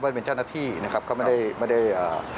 ถ้าเป็นลักษณะแบบนี้